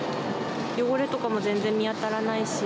汚れとかも全然見当たらないし。